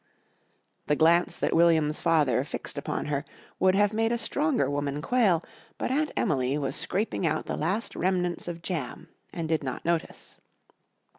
The glance that William's father fixed upon her would have made a stronger woman quail, but Aunt Emily was scraping out the last remnants of jam and did not notice.